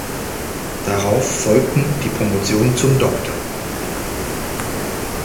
Darauf folgten die Promotion zum "Dr.